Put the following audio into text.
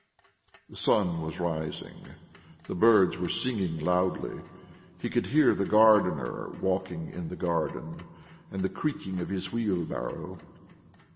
The sun was rising, the birds were singing loudly; he could hear the gardener walking in the garden and the creaking of his wheelbarrow